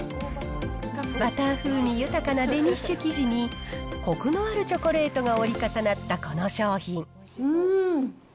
バター風味豊かなデニッシュ生地にこくのあるチョコレートが折りうーん。